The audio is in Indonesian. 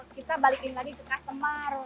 kita balikin lagi ke customer